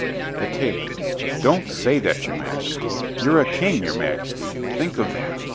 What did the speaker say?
THE TAILOR Don't say that, your majesty. You're a King, your majesty. Think of that.